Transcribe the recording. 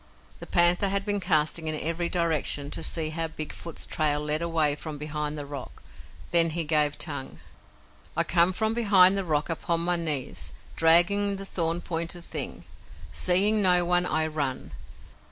The panther had been casting in every direction to see how Big Foot's trail led away from behind the rock. Then he gave tongue: "I come from behind the rock upon my knees, dragging the thorn pointed thing. Seeing no one, I run.